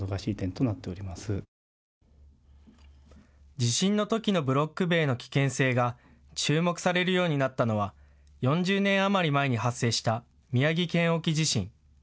地震のときのブロック塀の危険性が注目されるようになったのは４０年余り前に発生した宮城県沖地震。